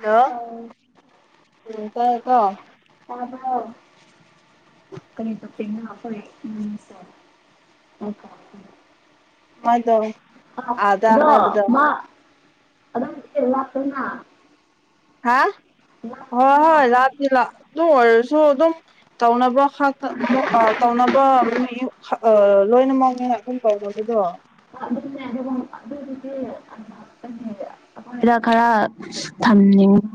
hello ꯆꯇꯦꯀꯣ ꯑꯣ ꯀꯩꯅ ꯍꯥꯐꯔꯦ ꯃꯗꯣ ꯑꯗꯣ ꯑꯣ ꯂꯥꯛꯇꯅ ꯍꯥ ꯍꯣꯏ ꯍꯣꯏ ꯂ ꯂ ꯇꯨꯡ ꯑꯣꯏꯔ ꯁꯨ ꯑꯗꯨꯝ ꯇꯧꯅꯕ ꯇꯧꯅꯕ ꯂꯣꯏꯅ ꯃꯉꯦ ꯉꯍꯥꯛ ꯀꯨꯝ ꯀꯧꯕꯗꯨꯗꯣ ꯑꯗꯨ ꯑꯗꯨ ꯑꯩꯈꯣꯏꯗ ꯈꯔ ꯊꯝꯅꯤꯡꯉꯤ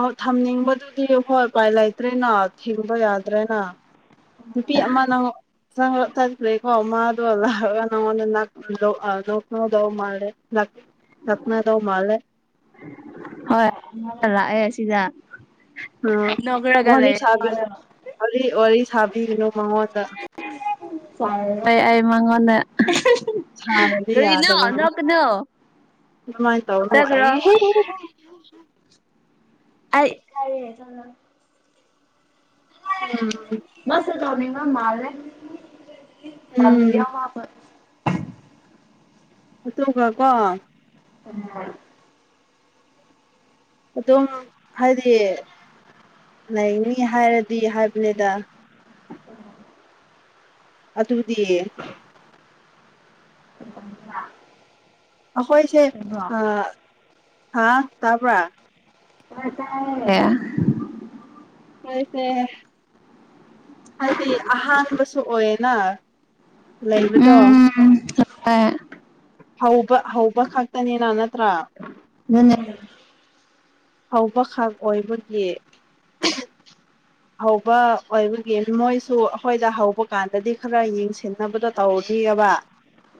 ꯑ ꯊꯝꯅꯤꯡꯕꯗꯨꯗꯤ ꯍꯣꯏ ꯎꯄꯥꯏ ꯂꯩꯇ꯭ꯔꯦꯅ ꯊꯤꯡꯕ ꯌꯥꯗ꯭ꯔꯦꯅ ꯅꯨꯄꯤ ꯑꯃ ꯅꯪ ꯔ ꯇꯥꯏꯦꯀꯣ ꯃꯥ ꯑꯗꯨ ꯅꯗ ꯃꯥꯦꯅꯥ ꯔꯠꯅ ꯇꯧ ꯃꯥꯂꯦ ꯍꯣꯏ ꯂꯥꯛꯑꯦ ꯑꯁꯤꯗ ꯑ ꯅꯣꯛꯔꯒ ꯋꯥꯔꯤ ꯂꯩ ꯁꯥꯕꯤ ꯋꯥꯔꯤ ꯃꯥꯗꯣ ꯋꯥꯔꯤ ꯋꯥꯔꯤ ꯁꯥꯕꯤꯣ ꯃꯥꯣꯇ ꯍ ꯑꯩ ꯃꯉꯣꯟꯅ ꯀꯔꯤꯅꯣ ꯅ ꯀꯅꯣ ꯀꯃꯥꯏꯅ ꯇꯧꯅꯣ ꯑꯦ ꯑ ꯀꯔ ꯑꯝ ꯅꯤꯡꯉ ꯃꯥꯂꯦ ꯎꯝ ꯇꯝꯕ ꯃꯥ ꯑꯆ ꯀꯣ ꯎꯝ ꯑꯗꯨꯝ ꯍꯥꯏꯗꯤ ꯂꯩꯅꯤ ꯍꯥꯏꯔꯗꯤ ꯍꯥꯏꯕꯅꯤꯗ ꯎꯝ ꯑꯗꯨꯕꯨꯗꯤ ꯑꯗꯨ ꯑꯩꯈꯣꯏꯁꯦ ꯍꯥ ꯇꯥꯕ꯭ꯔꯥ [unintelligible] ꯃꯣꯏ ꯁꯅꯦꯍ ꯍꯥꯏꯗꯤ ꯑꯍꯥꯟꯕꯁꯨ ꯑꯣꯏꯌꯦꯅ ꯂꯩꯕ ꯎꯝ ꯍꯣꯏ ꯍꯧꯕ ꯍꯧꯕ ꯈꯛꯇꯅꯤꯅ ꯅꯠꯇ꯭ꯔꯥ ꯅꯟꯅ ꯍꯧꯕꯈꯛ ꯑꯣꯏꯕꯒꯤ ꯍꯧꯕ ꯑꯣꯏꯕꯒꯤ ꯃꯣꯏꯁꯨ ꯑꯩꯈꯣꯏꯗ ꯍꯧꯕ ꯀꯥꯟꯗꯗꯤ ꯈꯔ ꯌꯦꯡꯁꯤꯟꯅꯕꯗꯣ ꯇꯧꯔꯗꯦ ꯌꯦꯕ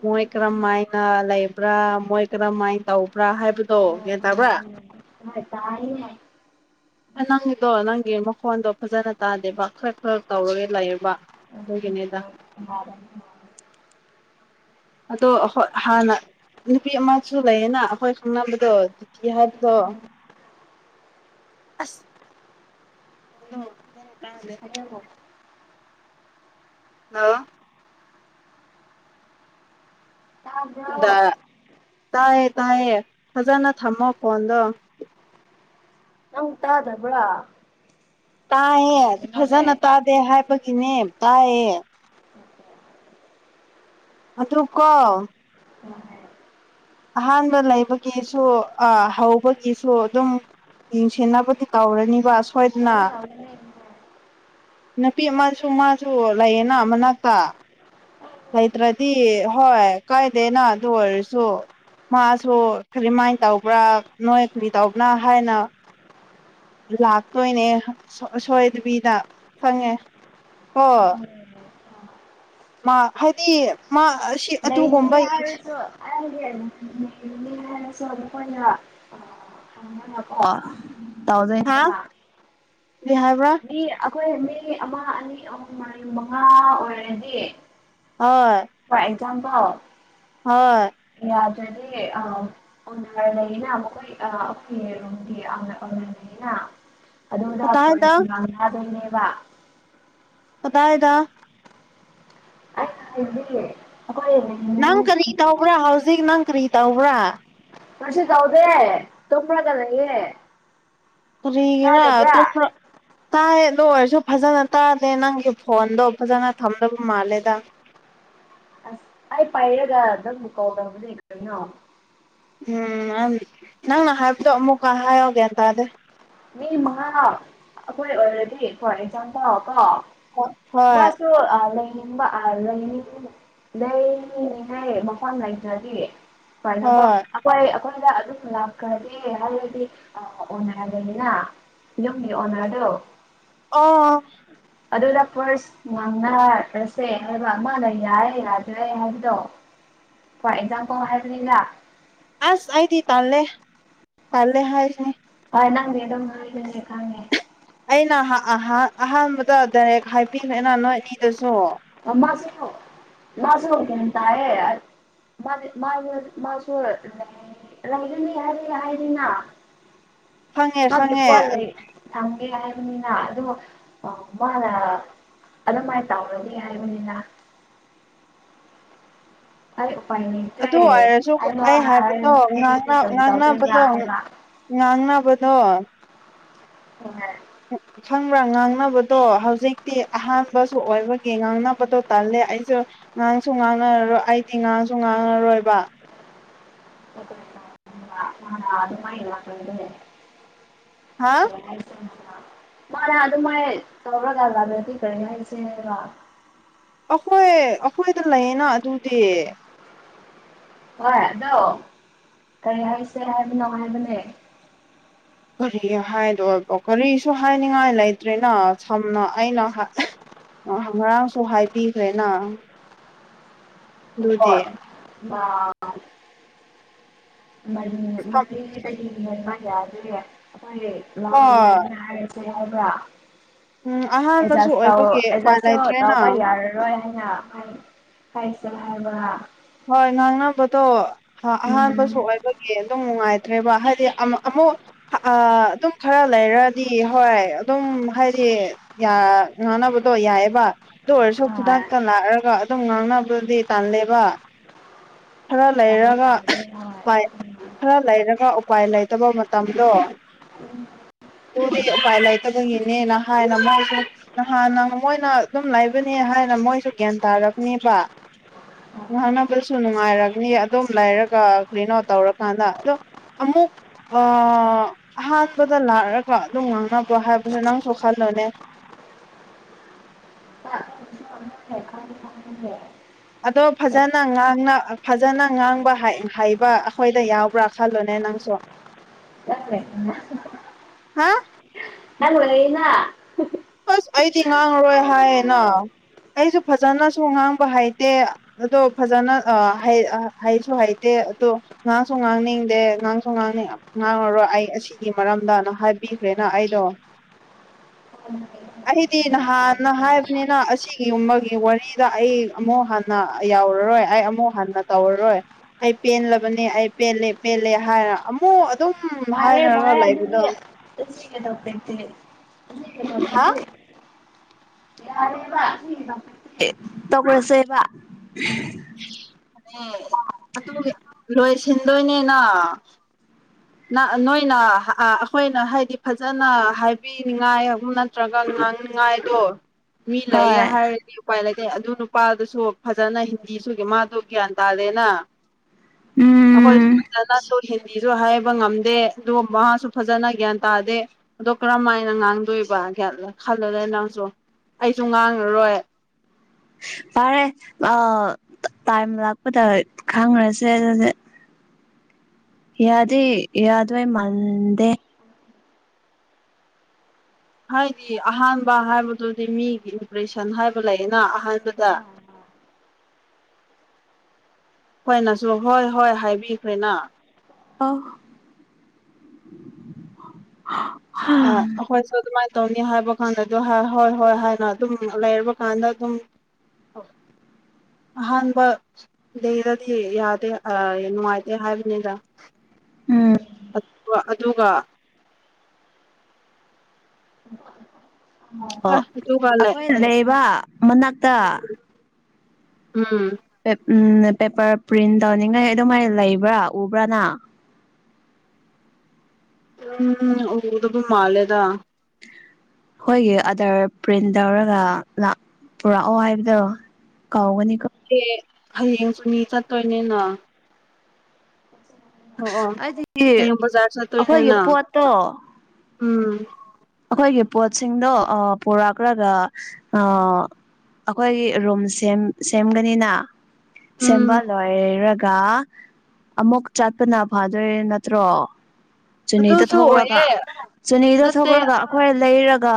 ꯃꯣꯏ ꯀꯔꯝꯃꯥꯏꯅ ꯂꯩꯕ꯭ꯔꯥ ꯃꯣꯏ ꯀꯔꯝꯃꯥꯏꯅ ꯇꯧꯕ꯭ꯔꯥ ꯍꯥꯏꯕꯗꯣ ꯒꯌꯥ ꯇꯥꯕ꯭ꯔꯥ ꯍꯣꯏ ꯇꯥꯏ ꯅꯪꯗꯣ ꯅꯪ ꯃꯀꯋꯥꯗ ꯐꯖꯅ ꯇꯥꯗꯦꯕ ꯈꯔ ꯈꯔ ꯇꯧꯔꯒ ꯂꯩꯔꯕ ꯑꯗꯨꯒꯤꯅꯤꯗ ꯑꯔ ꯑꯗꯣ ꯍꯥꯟꯅ ꯅꯨꯄꯤ ꯑꯃꯁꯨ ꯂꯩꯌꯦꯅ ꯑꯩꯈꯣꯏ ꯈꯪꯅꯕꯗꯣꯖꯤꯇꯤ ꯍꯥꯏꯕꯗꯣ ꯑꯁ ꯍꯗꯣ ꯀꯉꯣ ꯑ ꯌꯥꯕ꯭ꯔꯣ ꯇꯥꯏꯌꯦ ꯇꯥꯏꯌꯦ ꯐꯖꯅ ꯊꯝꯃꯣ ꯀꯣꯟꯗꯣ ꯅꯪ ꯇꯗꯕ꯭ꯔ ꯇꯥꯏꯌꯦ ꯐꯖꯅ ꯇꯥꯗꯦ ꯍꯥꯏꯕꯒꯤꯅꯦ ꯇꯥꯏꯌꯦ ꯑ ꯇꯨ ꯀꯣ ꯑꯍꯥꯟꯕ ꯂꯩꯕꯒꯤꯁꯨ ꯍꯧꯕꯒꯤꯁꯨ ꯑꯗꯨꯝ ꯌꯦꯡꯁꯦꯕꯨꯗꯤ ꯀꯧꯔꯅꯤꯕ ꯇ ꯇ ꯅꯨꯄꯤ ꯑꯃꯁꯨ ꯃꯥꯁꯨ ꯂꯩꯌꯦꯅ ꯃꯅꯥꯛꯇ ꯂꯩꯇ꯭ꯔꯗꯤ ꯍꯣꯏ ꯀꯥꯏꯗꯦꯅ ꯑꯗꯨ ꯑꯣꯏꯔꯁꯨ ꯃꯥꯁꯨ ꯀꯔꯤꯝꯃꯥꯏꯅ ꯇꯧꯕ꯭ꯔꯥ ꯅꯣꯏ ꯀꯔꯤ ꯇꯧꯕ꯭ꯔꯥ ꯍꯥꯏꯅ ꯂꯥꯛꯇꯣꯏꯅꯦ ꯑꯁꯣꯏꯗꯕꯤꯗ ꯈꯪꯉꯦ ꯍꯣ ꯎꯝ ꯃꯥ ꯍꯥꯏꯗꯤ ꯃꯥ ꯑꯁꯤ ꯅ ꯌꯥ ꯑꯗꯨꯒꯨꯝꯕ ꯅ ꯁꯄꯅꯣ ꯇꯧꯗꯣꯏꯅꯦ ꯍꯥ ꯃꯥ ꯀꯔꯤ ꯍꯥꯏꯕꯔ꯭ ꯑꯩꯈꯣꯏ ꯃꯤ ꯑꯃ ꯑꯅꯤ ꯑꯍꯨꯝ ꯃꯔꯤ ꯃꯉꯥ ꯑꯣꯏꯔꯗꯤ ꯍꯣꯏ ꯆꯄ ꯍꯣꯏ ꯗꯤ ꯑ ꯑꯣꯅꯔ ꯂꯩꯅ ꯃꯈꯣꯏ ꯑ ꯑꯩꯔꯣꯒꯤꯔ ꯂꯩꯌꯦꯅ ꯑꯗꯗꯥ ꯀꯗꯥꯏꯗ ꯄꯨꯁ ꯃꯉꯗꯅꯦꯕ ꯀꯗꯥꯏꯗ [unintelligible] ꯅꯪ ꯀꯔꯤ ꯇꯧꯕ꯭ꯔ ꯍꯧꯖꯤꯛ ꯅꯪ ꯀꯔꯤ ꯇꯧꯕ꯭ꯔ ꯀꯩꯁꯨ ꯇꯧꯗꯦ ꯇꯨꯝꯃꯒ ꯂꯩꯌꯦ ꯀꯔꯤꯒꯤꯔ ꯇꯨꯝꯔ ꯇꯥꯏꯌꯦ ꯑꯗꯨ ꯑꯣꯏꯔꯁꯨ ꯐꯖꯅ ꯇꯥꯗꯦ ꯅꯪꯒꯤ ꯐꯣꯟꯗꯣ ꯐꯖꯅ ꯊꯝꯗꯕ ꯃꯥꯜꯂꯦꯗ ꯑꯁ ꯑꯩ ꯄꯥꯏꯔꯒ ꯑꯗꯨꯝ ꯀꯣꯜ ꯇꯧꯕꯅꯦ ꯀꯔꯤꯅꯣ ꯎꯝ ꯅꯪꯅ ꯍꯥꯏꯕꯗꯣ ꯑꯃꯨꯛꯀ ꯍꯥꯏꯌꯣ ꯒꯌꯥꯟ ꯇꯥꯗꯦ ꯃꯤ ꯃꯉꯥ ꯑꯩꯈꯣꯏ ꯑꯣꯏꯔꯗꯤ ꯐꯣꯔ ꯑꯦꯛꯖꯥꯝꯄꯜ ꯀꯣ ꯍꯣꯏ ꯃꯥꯁꯨ ꯑ ꯂꯩ ꯕ ꯑ ꯂꯩꯅꯤꯡꯕ ꯂꯩ ꯂꯩ ꯂꯩ ꯃꯐꯝ ꯂꯩꯇ꯭ꯔꯗꯤ ꯐꯔꯅꯕꯣ ꯍꯣꯏ ꯑꯩꯈꯣꯏ ꯑꯩꯈꯣꯏꯗ ꯑꯗꯨꯝ ꯂꯥꯛꯈ꯭ꯔꯒꯦ ꯍꯥꯏꯔꯗꯤ ꯑ ꯅꯤꯅꯥ ꯌꯨꯝꯒꯤ ꯑꯣꯅꯔꯗꯣ ꯑ ꯑꯗꯨꯅ ꯐꯥꯔꯁ ꯉꯥꯡꯅꯔꯁꯦ ꯍꯥꯏꯕ ꯑꯃꯅ ꯌꯥꯏ ꯌꯥꯗ꯭ꯔꯦ ꯍꯥꯏꯕꯗꯣ ꯐꯣꯔ ꯑꯦꯛꯖꯥꯝꯄꯜ ꯍꯥꯏꯕꯅꯤꯅ ꯑꯁ ꯑꯩꯥꯗꯤ ꯇꯜꯂꯦ ꯇꯜꯂꯦ ꯍꯥꯏꯕꯅꯦ ꯍꯣꯏ ꯅꯪꯗꯤ ꯑꯗꯨꯝ ꯂꯩꯕꯅꯤꯅ ꯈꯡꯉꯦ ꯑꯩꯅ ꯑꯍꯥꯟꯕꯗ ꯗꯥꯏꯔꯦꯛ ꯍꯥꯏꯕꯤꯈ꯭ꯔꯦꯅ ꯅꯣꯏ ꯑꯅꯤꯗꯁꯨ ꯃꯥꯁꯨ ꯃꯥꯁꯨ ꯒ꯭ꯌꯥꯟ ꯇꯥꯏꯌꯦ ꯃꯥ ꯃꯥ ꯃꯥꯁꯨ ꯂꯩꯒꯅꯤꯅ ꯍꯥꯏꯔꯤꯅ ꯈꯪꯉꯦ ꯃꯥꯒꯤ ꯈꯪꯉꯦ ꯐꯣꯟ ꯂꯩ ꯊꯝꯒꯦ ꯍꯥꯏ ꯅꯤꯅ ꯑꯣ ꯃꯥꯅ ꯑꯗꯨꯃꯥꯏꯅ ꯇꯧꯔꯅꯤ ꯍꯥꯏꯕꯅꯤꯗ ꯑꯩ ꯎꯄꯥꯏ ꯂꯩꯇꯦ ꯑꯗꯨ ꯑꯣꯏꯔꯁꯨ ꯍꯥꯏꯕ ꯑꯩ ꯍꯥꯏ ꯍꯥꯏꯕꯗꯣ ꯍꯥꯏꯁ ꯀꯔꯤ ꯇꯧꯗꯣꯏꯕ꯭ꯔꯥ ꯉꯥꯡꯅꯕꯗꯣ ꯍꯥꯏꯕ ꯉꯥꯡꯅꯕꯗꯣ [unintelligible] ꯈꯪꯕ꯭ꯔꯥ ꯉꯥꯡꯅꯕꯗꯣ ꯍꯧꯖꯤꯛꯇꯤ ꯑꯍꯥꯟꯕꯁꯨ ꯑꯣꯏꯕꯒꯤ ꯉꯥꯡꯅꯕꯗꯣ ꯇꯜꯂꯦ ꯑꯩꯁꯨ ꯉꯥꯡꯁꯨ ꯉꯥꯡꯅꯔꯔꯣꯏ ꯑꯩꯗꯤ ꯉꯥꯡꯁꯨ ꯉꯥꯡꯉꯔꯣꯏꯕ [unintelligible] ꯃꯥꯅ ꯑꯗꯨꯃꯥꯏꯅ ꯍꯥ [unintelligible] ꯃꯥꯅ ꯑꯗꯨ ꯃꯥꯏ ꯇꯧꯔꯒ ꯌꯥꯗꯔ꯭ꯗꯤ ꯀꯔꯤ ꯍꯥꯏꯁꯦꯕ ꯑꯩꯈꯣꯏ ꯑꯩꯈꯣꯏꯗ ꯂꯩꯌꯦꯅ ꯑꯗꯨꯗꯤ ꯍꯣꯏ ꯑꯗꯣ ꯀꯔꯤ ꯍꯥꯏꯁꯦ ꯍꯥꯏꯕꯅꯣ ꯍꯥꯏꯕꯅꯦ ꯀꯔꯤꯒꯤ ꯍꯥꯏꯗꯣꯏꯕ ꯀꯔꯤꯁꯨ ꯍꯥꯏꯅꯤꯡꯉꯥꯏ ꯂꯩꯇ꯭ꯔꯦꯅ ꯁꯝꯅ ꯑꯩꯅ ꯑ ꯉꯔꯥꯡꯁꯨ ꯍꯥꯏꯕꯤꯈ꯭ꯔꯦꯅ ꯑꯗꯨꯗꯤ ꯑ ꯃꯔꯤ ꯃꯔꯤꯗꯒꯤ ꯍꯦꯟꯕ ꯌꯥꯗꯔꯦ ꯑꯩꯈꯣꯏ ꯂꯝ ꯍꯣꯏ ꯂꯩꯇꯦ ꯍꯥꯏꯔꯁꯦ ꯍꯥꯏꯕ꯭ꯔ ꯎꯝ ꯑꯍꯥꯟꯕꯁꯨ ꯑꯦꯠꯖꯁ ꯇꯧ ꯑꯣꯏꯕꯒꯤ ꯎꯄꯥꯏ ꯑꯦꯠꯖꯁꯁꯨ ꯂꯩꯇ꯭ꯔꯦꯅ ꯇꯧꯕ ꯌꯥꯔꯔꯣꯏ ꯍꯥꯏ ꯍꯥꯏꯁꯦ ꯍꯥꯏꯕ ꯍꯣꯏ ꯉꯥꯡꯅꯕꯗꯣ ꯑꯍꯥꯟꯕꯁꯨ ꯑꯣꯏꯕꯒꯤ ꯑꯗꯨꯝ ꯅꯨꯡꯉꯥꯏꯇ꯭ꯔꯦꯕ ꯍꯥꯏꯗꯤ ꯑꯃꯨꯛ ꯑꯗꯨꯝ ꯈꯔ ꯂꯩꯔꯗꯤ ꯍꯣꯏ ꯑꯗꯨꯝ ꯍꯥꯏꯗꯤ ꯌꯥ ꯉꯥꯡꯅꯕꯗꯣ ꯌꯥꯏꯑꯦꯕ ꯑꯗꯨ ꯑꯣꯏꯔꯁꯨ ꯈꯨꯗꯛꯇ ꯂꯥꯛꯑꯒ ꯑꯗꯨꯝ ꯉꯥꯡꯅꯕꯗꯤ ꯇꯜꯂꯦꯕ ꯈꯔ ꯂꯩꯔꯒ ꯎꯄꯥꯢ ꯈꯔ ꯂꯩꯔꯒ ꯎꯄꯥꯏ ꯂꯩꯇꯕ ꯃꯇꯝꯗꯣ ꯎꯝ ꯑꯗꯨꯒꯤ ꯎꯄꯥꯏ ꯂꯩꯇꯕꯒꯤꯅꯦꯅ ꯍꯥꯏꯅ ꯃꯥꯁꯨ ꯅꯍꯥꯟꯅ ꯃꯣꯏꯅ ꯑꯗꯨꯝ ꯂꯩꯕꯅꯦ ꯍꯥꯏꯅ ꯑꯗꯨꯅ ꯃꯣꯏꯁꯨ ꯒ꯭ꯌꯥꯟ ꯇꯥꯔꯕꯅꯦꯕ ꯑꯣ ꯉꯥꯡꯅꯕꯁꯨ ꯅꯨꯡꯉꯥꯏꯔꯒꯅꯤ ꯑꯗꯨꯝ ꯂꯩꯔꯒ ꯀ꯭ꯂꯤꯟ ꯑꯥꯎ ꯇꯧꯔꯀꯥꯟꯗ ꯑꯗꯣ ꯑꯃꯨꯛ ꯑ ꯑꯍꯠꯄꯗ ꯂꯥꯛꯑꯒ ꯑꯗꯨꯝ ꯉꯥꯡꯅꯕꯣ ꯍꯥꯏꯕꯁꯦ ꯅꯪꯁꯨ ꯈꯜꯂꯣꯨꯅꯦ ꯑ ꯑꯗꯣ ꯐꯖꯅ ꯉꯥꯡꯅ ꯐꯖꯅ ꯉꯥꯡꯕ ꯍꯩꯕ ꯑꯩꯈꯣꯏꯗ ꯌꯥꯎꯕ꯭ꯔꯥ ꯈꯜꯂꯨꯅꯦ ꯅꯪꯁꯨ ꯆꯦ ꯍꯥ ꯍꯜꯋꯥꯅꯥ ꯑꯁ ꯑꯩꯗꯤ ꯉꯥꯡꯉꯔꯣꯏ ꯍꯥꯏꯌꯦꯅ ꯑꯩꯁꯨ ꯐꯖꯅꯁꯨ ꯉꯥꯡꯕ ꯍꯩꯇꯦ ꯑꯗꯣ ꯐꯖꯅ ꯍꯥꯏꯁꯨ ꯍꯥꯏꯩꯇꯦ ꯑꯗ ꯉꯥꯡꯁꯨ ꯉꯥꯡꯅꯤꯡꯗꯦ ꯉꯥꯡꯁꯨ ꯉꯥꯡꯅꯤꯡ ꯉꯥꯡꯉꯔꯣꯏ ꯑꯩ ꯑꯁꯤꯒꯤ ꯃꯔꯝꯗꯅ ꯍꯥꯏꯕꯤ ꯭ꯔꯦꯅ ꯑꯩꯗꯣ ꯎꯝ ꯑꯩꯗꯤ ꯅꯍꯥꯟꯅ ꯍꯥꯏꯕꯅꯤꯅ ꯑꯁꯤꯒꯤꯒꯨꯝꯕꯒꯤ ꯋꯥꯔꯤꯗ ꯑꯩ ꯑꯃꯨꯛ ꯍꯥꯟꯅ ꯇꯧꯔꯔꯣꯏ ꯑꯩ ꯑꯃꯨꯛ ꯍꯟꯅ ꯇꯧꯔꯔꯣꯏ ꯑꯩ ꯄꯦꯟꯦꯜꯂꯕꯅꯤ ꯑꯩ ꯄꯦꯜꯂꯦ ꯄꯦꯜꯂꯦ ꯍꯥꯏꯔ ꯑꯃꯨꯛ ꯑꯗꯨꯝ ꯄꯦ ꯄ ꯍꯥꯏꯅꯔꯒ ꯂꯩꯕꯗꯣ ꯑꯗꯨꯗꯤꯦ ꯇꯣꯄꯛꯇ ꯍꯥ ꯌꯥꯔꯦ ꯇꯈꯔꯁꯦꯕ ꯑꯗꯨ ꯂꯣꯏꯁꯤꯟꯗꯣꯏꯅꯦꯅ ꯅꯣꯏꯅ ꯑꯩꯈꯣꯏꯅ ꯍꯥꯏꯗꯤ ꯐꯖꯅ ꯍꯥꯏꯕꯤꯅꯤꯡꯉꯥꯏ ꯑꯗꯨ ꯅꯠꯇ꯭ꯔꯒ ꯍꯪ ꯅꯨꯡꯉꯥꯏꯇꯣ ꯃꯤ ꯍꯣꯏ ꯂꯩꯌꯦꯦ ꯍꯥꯏꯔꯗꯤ ꯎꯄꯥꯏ ꯂꯩꯇꯦ ꯑꯗꯨ ꯅꯨꯄꯥꯗꯨꯁꯨ ꯐꯖꯅ ꯍꯤꯟꯗꯤꯁꯨꯒꯤ ꯃꯥꯗꯣ ꯒ꯭ꯌꯥꯟ ꯇꯥꯔꯦ ꯅ [inaudible] ꯑꯣꯏ ꯎꯝ ꯍꯤꯟꯁꯨ ꯍꯥꯏ ꯉꯝꯗꯦ ꯑꯗꯨꯒ ꯃꯍꯥꯛꯁꯨ ꯐꯖꯅ ꯒ꯭ꯌꯥꯟ ꯇꯥꯗꯦ ꯑꯗꯣ ꯀꯔꯝ ꯍꯥꯏꯅ ꯉꯥꯡꯗꯣꯏꯕ ꯈꯜꯂꯗ ꯅꯪꯁꯨ ꯑꯩꯁꯨ ꯉꯥꯡꯉꯔꯣꯏ ꯐꯔꯦ ꯑ ꯇꯥꯏꯝ ꯂꯥꯛꯄꯗ ꯈꯪꯈ꯭ꯔꯁꯦ ꯑꯗꯨꯗꯤ ꯌꯥꯗꯦ ꯌꯥꯗ ꯃꯟꯗꯦ ꯍꯥꯏꯗꯤ ꯑꯍꯥꯟꯕ ꯍꯥꯏꯕꯗꯨꯗꯤ ꯃꯤꯒꯤ ꯏꯝꯄ꯭ꯔꯦꯁꯟ ꯍꯥꯏꯕ ꯂꯩꯌꯦꯅ ꯑꯍꯥꯟꯕꯗ [inaudible] ꯍꯈꯣꯏꯅꯁꯨ ꯍꯣꯏ ꯍꯣꯏ ꯍꯥꯏꯕꯤꯈꯣꯏꯅ ꯑꯣ ꯑꯩꯈꯣꯏꯁꯨ ꯑꯗꯨꯃꯥꯏꯅ ꯇꯧꯅꯤ ꯍꯥꯏꯕ ꯀꯥꯟꯗ ꯑꯗꯨ ꯍꯣꯏ ꯍꯣꯏ ꯍꯥꯏꯅ ꯑꯗꯨꯝ ꯂꯩꯔꯕ ꯀꯥꯟꯗ ꯑꯗꯨꯝ ꯑ ꯑꯍꯥꯟꯕ ꯂꯩꯗꯗꯤ ꯌꯥꯗꯦ ꯅꯨꯡꯉꯥꯏꯇꯦ ꯍꯥꯏꯕꯅꯤꯗ ꯎ ꯑꯗꯨꯒ ꯑꯣ ꯑꯗꯨꯒ ꯑꯩꯈꯣꯏ ꯂꯩꯕ ꯃꯅꯥꯛꯇ ꯑꯝ ꯎꯝ ꯄꯦꯄꯔ ꯄ꯭ꯔꯤꯟ ꯇꯧꯅꯤꯡꯉꯥꯏ ꯑꯗꯨꯃꯥꯏꯅ ꯂꯩꯕ꯭ꯔꯥ ꯎꯕ꯭ꯔꯥꯅ ꯎꯝ ꯑꯣꯗ ꯃꯥꯂꯦꯗ ꯑꯩꯈꯣꯏꯒꯤ ꯑꯥꯗꯔ ꯄ꯭ꯔꯤꯟ ꯇꯧꯔꯒ ꯄꯨꯔꯛꯑꯣ ꯍꯥꯏꯕꯗꯣ ꯀꯥꯎꯒꯅꯤ ꯑꯦ ꯍꯌꯦꯡꯁꯨ ꯃꯤ ꯆꯠꯇꯣꯏꯅꯤꯅ ꯑꯣ ꯑꯣ ꯑꯩꯗꯤ ꯍꯌꯦꯡ ꯕꯖꯥꯔ ꯑꯩꯈꯣꯏꯒꯤ ꯆꯠꯇꯣꯏꯅꯦꯅ ꯄꯣꯠꯇꯣ ꯎꯝ ꯑꯩꯈꯣꯏꯒꯤ ꯄꯣꯠꯁꯤꯡꯗꯣ ꯄꯨꯔꯛ꯭ꯔꯒ ꯑꯩꯈꯣꯏꯒꯤ ꯔꯨꯝ ꯁꯦꯝꯒꯅꯤꯅ ꯎꯝ ꯁꯦꯝꯕ ꯂꯣꯏꯔ ꯀ ꯑꯃꯨꯛ ꯆꯠꯄꯅ ꯐꯥꯗꯣꯏꯔꯦ ꯅꯠꯇ꯭ꯔꯣ ꯆꯅꯤꯗ ꯑꯗꯨꯁꯨ ꯊꯣꯛꯔꯒ ꯑꯣꯏꯌꯦ ꯆꯅꯤꯗ ꯊꯣꯛ ꯅꯠꯇꯦ ꯄꯨꯔꯒ ꯑꯩꯈꯣꯏ ꯂꯩꯔꯒ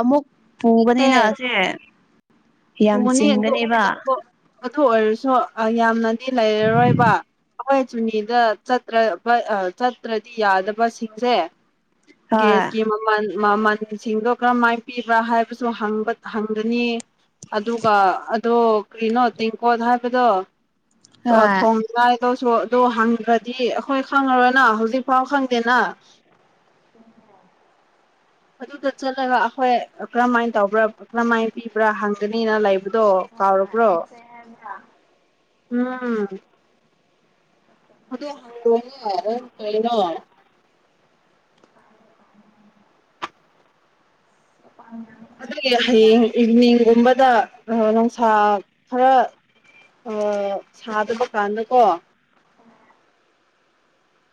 ꯑꯃꯨꯛ ꯄꯨꯕꯅꯤꯅꯁꯦ ꯊꯨꯅꯤ ꯑꯗꯨ ꯑꯗꯨ ꯑꯣꯏꯔꯁꯨ ꯌꯥꯝꯅꯗꯤ ꯂꯩꯔꯔꯣꯏꯕ ꯍꯈꯣꯏ ꯆꯨꯅꯤꯗ ꯆꯠꯇ꯭ꯔ ꯆꯠꯇ꯭ꯔꯗꯤ ꯌꯥꯗꯕꯁꯤꯡꯁꯦ ꯍꯣꯏ ꯦꯁꯀꯤ ꯃꯃꯥ ꯃꯃꯟꯁꯤꯡꯗꯣ ꯀꯔꯝꯃꯥꯏꯅ ꯄꯤꯕ꯭ꯔꯥ ꯍꯥꯏꯕꯁꯨꯕ ꯍꯪꯒꯅꯤ ꯑꯗꯨꯒ ꯑꯗꯣ ꯀꯩꯅꯣ ꯇꯦꯡꯀꯣꯠ ꯍꯥꯏꯕꯗꯣ ꯍꯣꯏ ꯊꯣꯡꯗ ꯑꯗꯨꯧꯁꯨ ꯑꯗꯨ ꯍꯪꯈ꯭ꯔꯗꯤ ꯑꯩꯈꯣꯏ ꯈꯪꯉꯔꯣꯏꯅ ꯍꯧꯖꯤꯛ ꯐꯥꯎ ꯈꯪꯗꯦꯅ ꯎꯝ ꯑꯗꯨꯗ ꯆꯠꯂꯒ ꯑꯩꯈꯣꯏ ꯀꯔꯝꯍꯥꯏꯅ ꯇꯧꯕ꯭ꯔꯥ ꯀꯔꯝꯍꯥꯏꯅ ꯄꯤꯕ꯭ꯔꯥ ꯍꯪ ꯅꯤ ꯂ ꯑ ꯃꯁꯦ ꯎꯝ ꯑꯗꯣ ꯍꯗꯅ ꯑꯗꯨꯒꯤ ꯍꯌꯦꯡ ꯏꯅꯤꯡꯒꯨꯝꯕꯗ ꯅꯨꯡꯁꯥ ꯈꯔ ꯑꯣ ꯁꯥꯗꯕ ꯀꯥꯟꯗꯀꯣ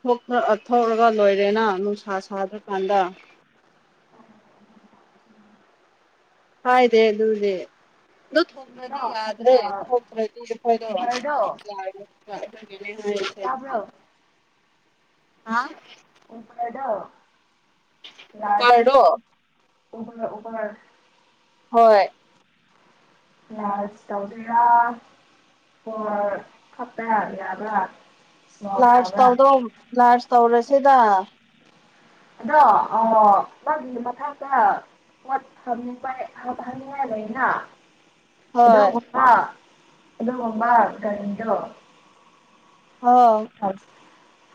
ꯊꯣꯛ ꯊꯣꯛꯔꯒ ꯂꯣꯏꯔꯦꯅ ꯅꯨꯡꯁꯥ ꯁꯥꯗ꯭ꯔꯀꯥꯟꯗ [unintelligible] ꯍꯗꯦ ꯑꯗꯨꯗꯦ ꯑꯗꯨ ꯊꯣꯛꯇ꯭ꯔꯗꯤ ꯌꯥꯗ꯭ꯔꯦ ꯊꯣꯛꯇ꯭ꯔꯗꯤ ꯑꯩꯈꯣꯏꯗꯣ ꯌꯥꯔ ꯇꯕꯣ ꯍꯥꯥ ꯎ ꯀꯥꯏꯗꯣ ꯀꯔꯔꯣ ꯎꯕ ꯎꯕꯅ ꯍꯣꯏ ꯂꯁꯧꯕꯔ ꯑꯣ ꯑꯄ ꯌꯥꯕ ꯂꯥꯔꯖ ꯇꯧꯗꯣ ꯂꯥꯔꯖ ꯇꯧꯔꯁꯤꯗ ꯑꯗꯣ ꯃꯥꯒꯤ ꯃꯊꯥꯡꯛꯇ ꯀꯠ ꯐ ꯄꯥꯏ ꯍꯥ ꯍꯃꯤꯉꯥꯏ ꯂꯣꯏꯅ ꯑꯗꯣ ꯍꯣꯏ ꯃꯃ ꯑꯗꯣ ꯃꯃ ꯀꯔꯤꯗꯣ ꯍꯥꯎ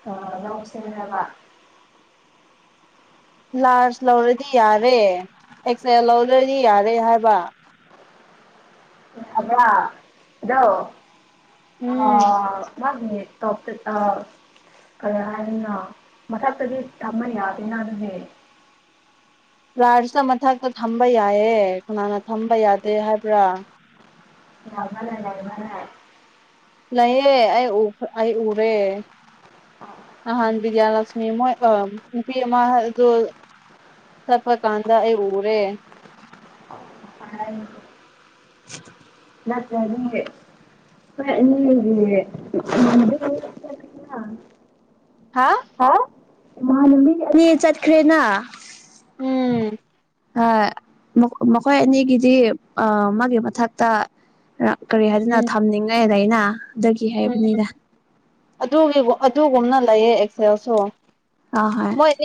ꯑ ꯂꯁꯤꯗꯕ ꯂꯥꯔꯖ ꯂꯧꯔꯗꯤ ꯌꯥꯔꯦ ꯑꯦꯛꯁꯦꯜ ꯂꯧꯔꯗꯤ ꯌꯥꯔꯦ ꯍꯥꯏꯕ ꯗ ꯑꯗꯣ ꯑ ꯎꯝ ꯃꯥ ꯇꯣꯞ ꯑ ꯀꯔꯤ ꯍꯥꯏꯅꯤꯅꯣ ꯃꯊꯛꯇꯗꯤ ꯊꯝꯕ ꯌꯥꯗꯦꯅ ꯑꯗꯨꯅꯦ ꯔꯥꯔꯁꯇ ꯃꯊꯛꯇ ꯊꯝꯕ ꯌꯥꯏꯌꯦꯦ ꯀꯅꯥꯅ ꯊꯝꯕ ꯌꯥꯗꯦ ꯍꯥꯏꯕ꯭ꯔꯥ ꯌꯥꯃꯅꯦ ꯅꯃꯅꯦ ꯂꯩꯑꯦ ꯑꯩ ꯑꯩ ꯎꯔꯦ ꯅꯍꯥꯟ ꯕꯤꯗ꯭ꯌꯥꯂꯛꯁꯃꯤ ꯃꯣꯏ ꯅꯨꯄꯤ ꯑꯃ ꯑꯗꯨ ꯊꯄ ꯀꯥꯟꯗ ꯑꯦ ꯎꯔꯦ ꯑꯔ ꯂꯠꯇꯔꯦ [unintelligible] ꯍꯥ ꯃꯥ ꯃꯤ ꯑꯅꯤ ꯆꯠꯈ꯭ꯔꯦꯅ ꯎꯝ ꯃꯈꯣꯏ ꯑꯅꯤꯒꯤꯗꯤ ꯃꯥꯒꯤ ꯃꯊꯛꯇ ꯀꯔꯤ ꯍꯥꯏꯗꯅ ꯎꯝ ꯊꯝꯅꯤꯡꯉꯥꯏꯗ ꯑꯩꯅ ꯎꯝ ꯑꯗꯨꯒꯤ ꯑꯗꯨꯒꯨꯝꯅ ꯂꯩꯌꯦ ꯑꯦꯛꯁꯦꯜꯁꯨ ꯑ ꯍꯣꯏ ꯃꯣꯏꯅꯤ